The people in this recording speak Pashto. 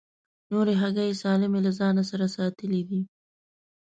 نورې هګۍ یې سالمې له ځان سره ساتلې دي.